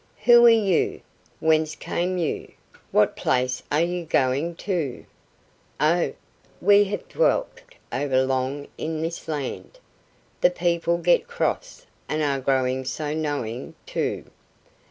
"Who are you? Whence came you? What place are you going to?" "Oh, we have dwelt over long in this land; The people get cross, and are growing so knowing, too!